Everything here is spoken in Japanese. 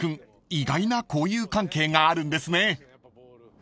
意外な交友関係があるんですね］